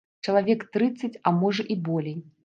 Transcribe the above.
Чалавек трыццаць, а можа і болей.